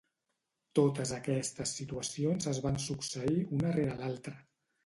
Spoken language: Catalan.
Totes aquestes situacions es van succeir una rere l'altra.